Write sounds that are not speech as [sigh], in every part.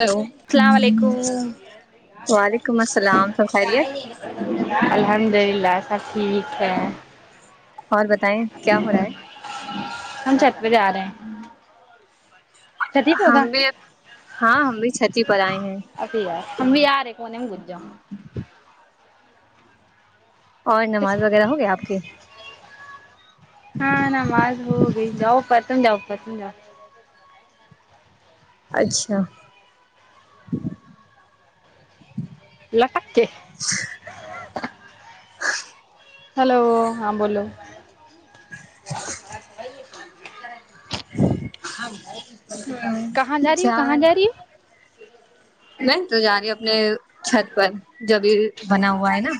hello السلام علیکم وعلیکم السلام سب خیریت الحمد اللہ سب ٹھیک ہے اور بتائیں کیا ہو رہا ہے ہم چھت پے جارہے ہے ہم بھی ہاں ہم بھی چھتی پر آئے ہیں ابیار بھی ہارے کونے گجا ہوا اور نماز وغیرہ ہوگی آپ کی ہاں نماز ہوگی [unintelligible] اچھا ہیلو ہاں بولو [inaudible] کہاں جا رہی ہو کہاں جا رہی [unintelligible] نہیں تو جا رہی ہ اپنے چھت پر جبھی بنا ہوا ہے نا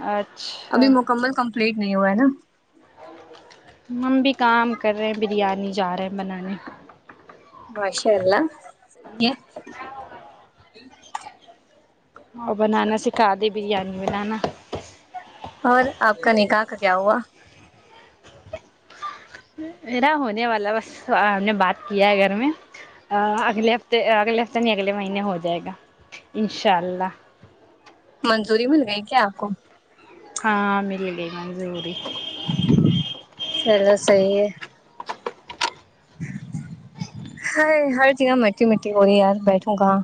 ایر ابھی مکمل کمپلیٹ نہیں ہوا ہے نا هم بھی کام کر رہے ہیں بریانی جا رہے ہیں بنانے ماشاءاللہ اور بنانا سکھا دی بریانی بنانا اور آپ کا نکاح کا کیا ہوا میرا ہونے والا بس ہم نے بات کیا ہے گھر میں اگلے ہفتے اگلے ہفتہ نہیں اگلے مہینے ہو جائے گا انشاء اللہ منظوری مل گئی کیا آپ کو ہاں مل گئی منظوری چلو صحی ہے ہے ہر چیزہ مٹی مٹی ہو رہی ہے یار بیٹھوں کہا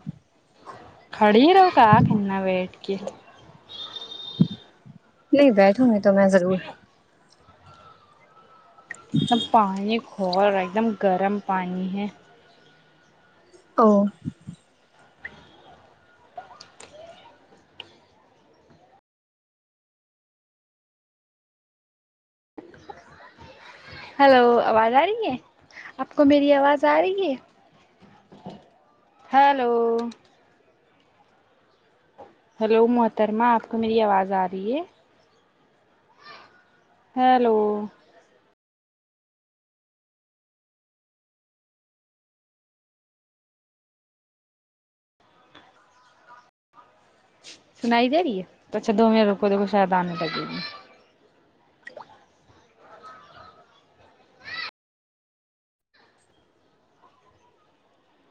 کھڑی رہو کا کرنا ہے ویٹ کے نہیں بیٹھوں گی تو میں ضرور ایک دم پانی کھور ہے ایک دم گرم پانی ہے او ہلو آواز آ رہی ہے آپ کو میری آواز آ رہی ہے ہیلو ہیلو محترمہ آپ کو میری آواز آ رہی ہے ہیلو سنائی دے رہی ہے تو اچھا د دو میں رکے کو شاید آنے لگے گ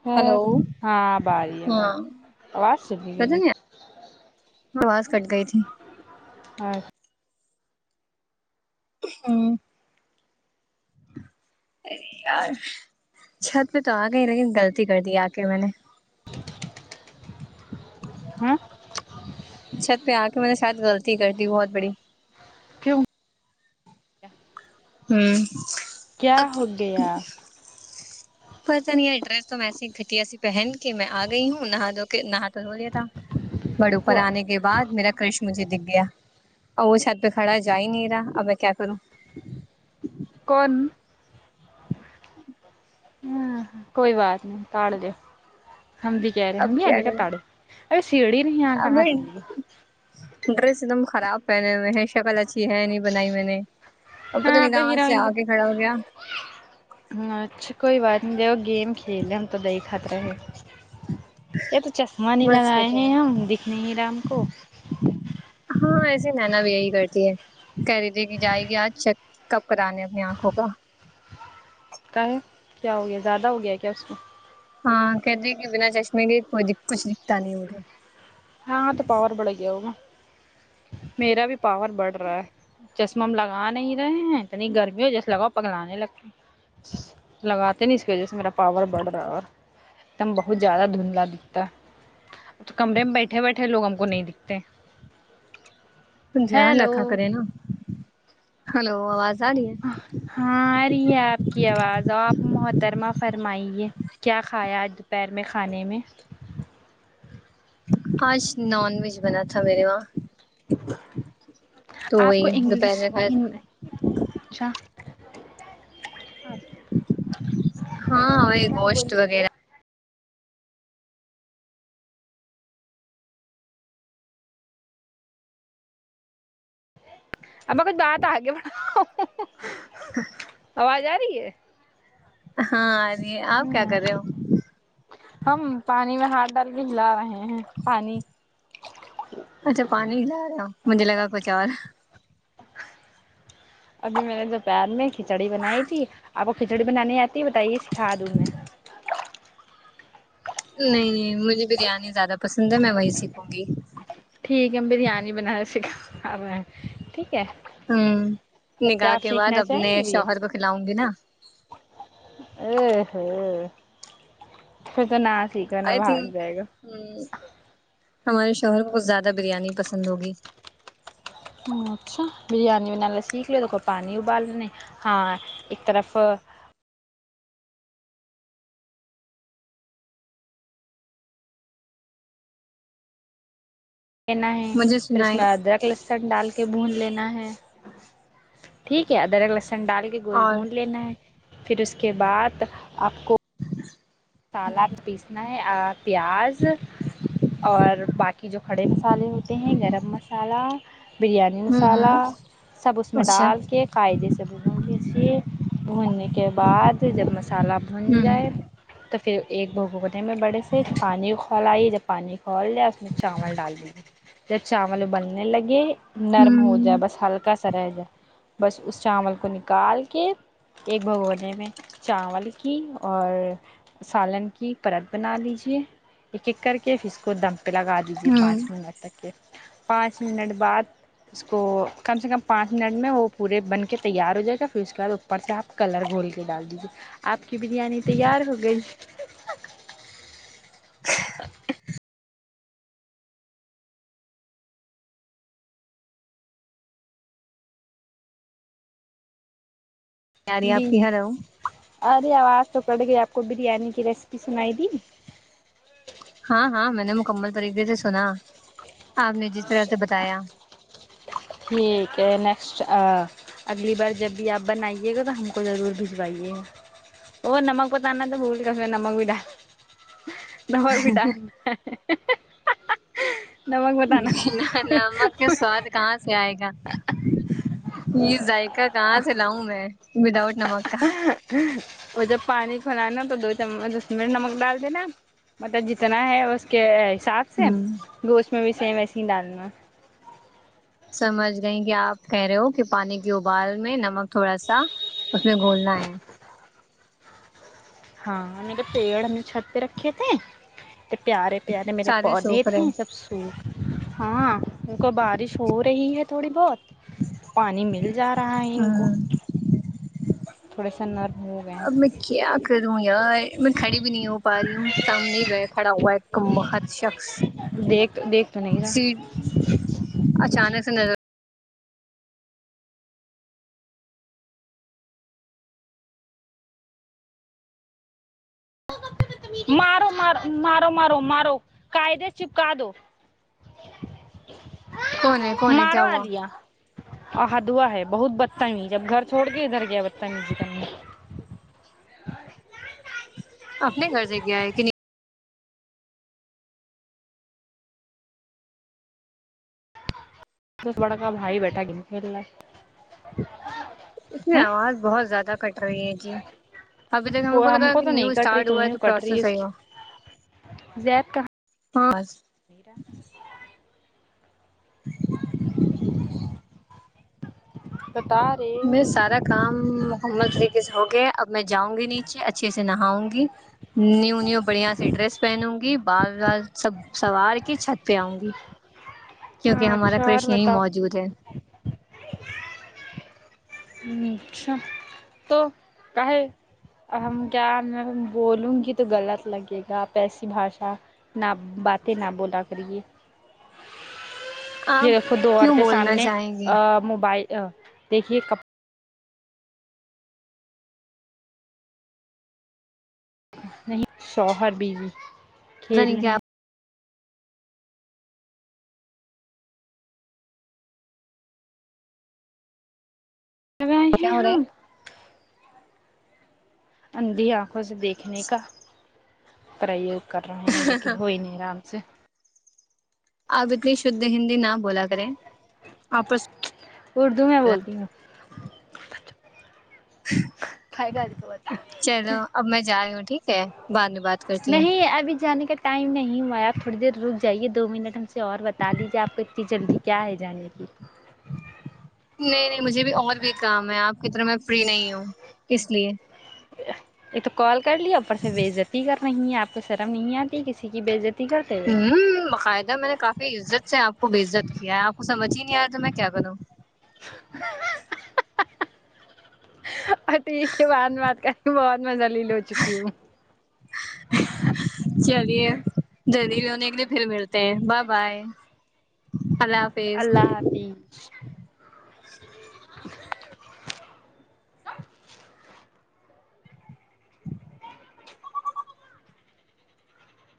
ہ ہیلو ہاں اب آرہی ہے اواز آواز سب پتا گی نہیں آواز کٹ گئی تھی [inaudible] ہمم ارے یار چھت پہ تو آ گئی لیکن غلطی کر دی آ کے میں نے ہہمم چھت پہ آ کے میں نے شاید غلطی کر دی بہت بڑی کیوں ہوں کیا ہو گیا آپ پس نہیں ای ڈریس تو میںسی گھٹیا سی پہن کے میں آ گئی ہوں نہا دو کے نہا تو ہوولیا تھا بڑےو پر تو آنے کے بعد میرا کرش مجھے دکھ گیا اور وہ چھت پہ کھڑا جا ہی نہیں رہا اب میں کیا کروں کون ہ کوئی بات نہیں پڑھ دو ہم دیکھ کہہ رہے اب ہم بھی کیا یعنی کہ کریں تاڑو ارے سیڑھی نہیں یہاں اب کہاں چلی گی ڈریس ایک دم خراب پہنے ہوے ہے شکل اچھی ہے نہیں بنائی بھی نہیں اب پتہ نہیں کہاں سے آ کے کھڑا ہو گیا ہ اچھا کوئی بات نہیں دو گیم کھیلے ہم تو دیکھت ہے یہ تو چشمہ نہیں بس لگائے دیکھے ہیں گا ہم دیکھ نہیں رہا ہم کو ہاں ایسے نینا بھی یہی کرتی ہے کہ رہی تھی جائے گی آج چیکپ کرانے اپنی آنکھوں کا کا ہے کیا ہو گیا زیادہ ہو گیا ہے کیا اس کو ہاں کہتی ہے کہ بنا چشمے کے کچھ دکھتا نہیں مجھے ہاں تو پاور بڑھ گیا ہوگا میرا بھی پاور بڑھ رہا ہے چشمہ ہم لگا نہیں رہے ہیں اتنی گرمی ہو جیسے لگاؤ پگلانے لگتے لگاتے نہیں اس کی وجہ سے میرا پاور بڑھ رہا اور دم بہت زیادہ دھندلا دکھتا ہے تو کمرے میں بیٹھ بیٹھے بیٹھے لوگ ہم کو نہیں دیکھتے دھیان رکھا کرے نا ہلو آواز آ رہی ہے ہاں آ رہی ہے آپ کی آواز آپ محترمہ فرمائیے کیا کھایا آج دوپہر میں کھانے میں آج نان ویج بنا تھا میرے وہاں تو آپ وہی کو دوپہر انگلش میں کھایا تھا اچھا ہاں وہی گوشت وغیرہ ابا کچھ بات آگے بڑھاو آواز آ رہی ہے ہاں آرہی ہے آپ کیا کررہے ہو ہم پانی میں ہاتھ ڈال کے ہلا رہے ہیں پانی اچھا پانی ہیلا رہے ہو مجھے لگا کچھ اور ابھی میں نے دوپہر میں کھچڑی بنائی تھی آپ کو کھچڑی بنانی آتی ہے بتائیے سیکھا دوں میں نہیں نہیں مجھے بریانی زیادہ پسند ہے میں وہی سیکھوں گی ٹھیک ہے ہم بریانی بنانا سیکھا رہے ہے ٹھیک ہے ہوں کیا نکاح آپ کے بعد سیکھنا اپنے شوہر کو کھلاؤں گی نا او ہو خطرناک ٹھیک ہے نا آئی بھاگ تھنک جائے گا ہ ہمارے شوہر کو زیادہ بریانی پسند ہوگی اچھا بریانی بنانے سیکھ لو دیکھو پانی ابال لیں ہاں ایک طرف لینا ہے مجھے پھر اس سنائی میں ادرک لہسن لہسن ڈال کے بھون لینا ہے ٹھیک ہے ادرک لہسن ڈال کے گوشت اور بھون لینا ہے پھر اس کے بعد آپ کو مسالہ میں پیسنا ہے آ پیاز اور باقی جو کھڑے مسالے ہوتے ہیں گرم مسالہ بریانی ہوں ہوں مسالہ سب اس میں ڈال کے قاعدے سے بھون لیجیے بھوننے کے بعد جب مسالہ بھن ہ جائے تو پھر ایک بگونے میں بڑے سے پانی کھولایے جب پانی کھول جاے اس میں چاول ڈال دیجیے جب چاول ابلنے لگے نرم ہو جائے ہ بس ہلکا سا رہ جائے بس اس چاول کو نکال کے ایک بگونے میں چاول کی اور سالن کی پرت بنا لیجے ایک ایک کر کے پھر اس کو دم پہ لگا دی دیجیے ہ پانچ منٹ تک کے پانچ منٹ بعد اس کو کم سے کم پانچ منٹ میں وہ پورے بن کے تیار ہو جائے گا پھر اس کے بعد اوپر سے آپ کلر گھول کے ڈال دیجیے آپ کی بریانی تیار ہو گئی [unintelligible] ا بریانی آپ بھی کی ہیلو ارے آواز تو کٹ گئی آپ کو بریانی کی ریسیپی سنائی دی ہاں ہاں میں نے مکمل طریقے سے سنا آپ نے جس طرح سے بتایا یہ کہ نیکسٹ اگلی بار جب بھی آپ بنائیے گا تو ہم کو ضرور بھجوائیے گا او نمک بتانا تو بھول گئے نمک بھی ڈال نمک بھی ڈال نمک بتانا جی نانمک کے سواد کہاں سے آئے گا یہ ذائقہ کہاں سے لاؤں میں وداؤٹ نمک [unintelligible] اور جب پانی کھولانا تو دو چمچ دس منٹ نمک ڈال دینا مطلب جتنا ہے اس کے حساب سے ہ گوشت میں بھی سیم وسے ہی ڈالنا سمجھ گئ کہ آپ کہہ رہے ہو کہ پانی کی ابال میں نمک تھوڑا سا اس میں گھولنا ہے ہاں میرے پیڑ ہم نے چھت پہ رکھے تھے تو پیارے پیارے میرے سارے پودے سوکھ تھے رہے سب سو ہاں ان کو بارش ہو رہی ہے تھوڑی بہت پانی مل جا رہا ہے ان کو ہ تھوڑی س ان نر اب میں کیا کروں یار میں کھڑی بھی نہیں ہو پا رہی ہوں سامنے کھڑا ہوا ہے کم بخت شخص دیکھ دیکھ تو نہیں سیٹ رہا اچانک سے نظر مارو مار مارو مارو مارو قادے چپکا دو کون ہے کون ہے کیا مارو ہوا عالیہ آھا دھوا ہے بہت بدتمی جب گھر چھوڑ کے ادھر گیا بدتمی اپنے گھر سے آئے کہ نہیں بس بڑا کا بھائی بیٹھا گ کھیلنا اس میں آواز بہت زیادہ کٹ رہی ہے جی ابھی تک ہم وہ کو لگا کہ تو نیو نہیں کٹ رہی اسٹارٹ ہوا تمہیں تو کٹ رہی ہے اس پروسیسی کی ہوا زید کہاں ہاں جی بتا میں رہے سارا کام مکمل طریقے سے ہوگیا اب میں جاؤں گی نیچے اچھے سے نہاؤں گی نیو نیو بڑھیا سی ڈریس پہنوں گی بال بال سب سوار کی چھت پہ آؤں گی کیونکہ ہاں ہمارا اچھا اور کرش یہی بتاؤ موجود ہے اچھا تو کا ہے ہم کیا میں بولوں گی تو غلط لگے گا آپ ایسی بھاشا نہ باتیں نہ بولا کریے دیکھو آپ دو کیوں اورتیں بولنا سامنے چاہیں گے ا موبائل دیکھیے کب نہیں شوہر بیوی پتا کھیل نہیں رہے کیا ہیں کر آئے کیا ہیں ہو رہا ہم ہے اندھی آنکھوں سے دیکھنے کا پریوگ کر رہے ہیں جو کہ ہو ہی نہیں رہا سا آپ اتنی شدھ ہندی نہ بولا کریں آپس اردو میں بولتی ہوں چلو اب میں جا رہی ہوں ٹھیک ہے بات میں بات کرتی ہوں نہیں ابھی جانے کا ٹائم نہیں ہوا ہے آپ تھوڑی دیر رک جائیے دو منٹ ہم سے اور بتا لیجیے آپ کو اتنی جلدی کیا ہے جانے کی نہیں نہیں مجھے بھی اور بھی کام ہے آپ کی طرح میں فری نہیں ہوں اس لیے ایک تو کال کر لیا اوپر سے بےعزتی کر رہ ہے آپ کو شرم نہیں آتی کسی کی بےزتی ہوں باقاعدہ میں نے کافی عزت سے آپ کو بےعزت کیا ہے آپ کو سجھ ہی نہیں آیا تو میں کیا کروں اور ٹھیک ہے بات بات کرنے بہت میں زلیل ہو چکی ہوں چلیے جلیل جونے کیلئے پھر ملتے ہیں با بائے ہلو اللہ حافظ